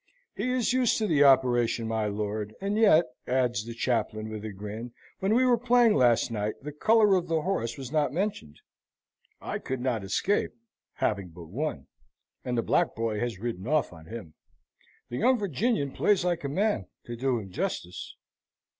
"He is used to the operation, my lord, and yet," adds the chaplain, with a grin, "when we were playing last night, the colour of the horse was not mentioned. I could not escape, having but one: and the black boy has ridden off on him. The young Virginian plays like a man, to do him justice."